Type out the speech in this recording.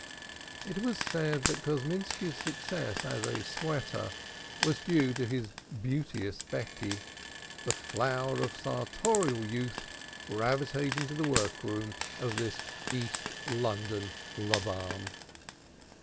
It was said that Kosminski's success as a "sweater" was due to his beauteous Becky, the flower of sartorial youth gravitating to the work room of this East London Laban.